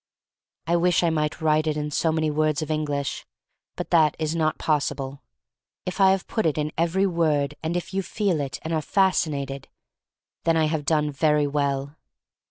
I wish I might write it in so many words of English. But that is not pos sible. If I have put it in every word and if you feel it and are fascinated, then I have done very well.